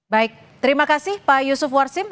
baik terima kasih pak yusuf warsim